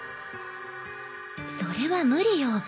それは無理よ。